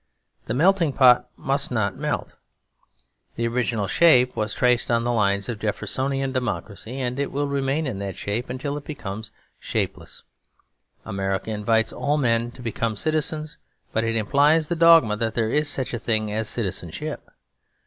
The melting pot must not melt. The original shape was traced on the lines of Jeffersonian democracy; and it will remain in that shape until it becomes shapeless. America invites all men to become citizens; but it implies the dogma that there is such a thing as citizenship.